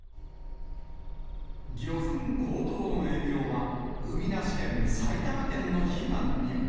魚粉高騰の影響は、海なし県、埼玉県の悲願にも。